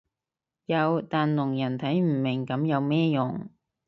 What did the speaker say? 有但聾人睇唔明噉有咩用